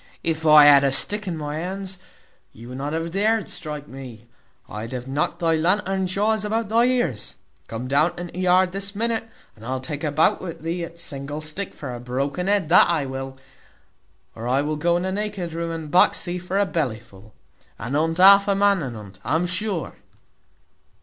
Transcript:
If I had a stick in my hand, you would not have dared strike me. I'd have knocked thy lantern jaws about thy ears. Come down into yard this minute, and I'll take a bout with thee at single stick for a broken head, that I will; or I will go into naked room and box thee for a belly full. At unt half a man, at unt, I'm sure."